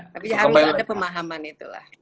tapi harus ada pemahaman itulah